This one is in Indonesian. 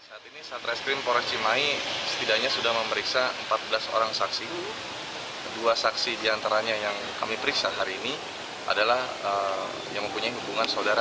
hari ini dilakukan pemeriksaan terkait dengan masalah pekerja sosial